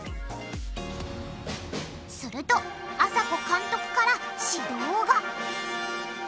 するとあさこ監督から指導が！